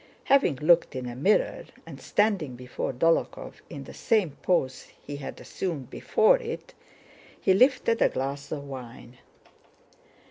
Having looked in a mirror, and standing before Dólokhov in the same pose he had assumed before it, he lifted a glass of wine.